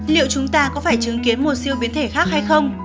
liệu chúng ta có phải chứng kiến một siêu biến thể khác hay không